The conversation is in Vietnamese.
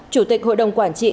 chủ tịch hội đồng quản trị